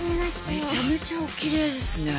めちゃめちゃおきれいですね。